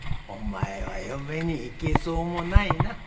お前は嫁にいけそうもないな。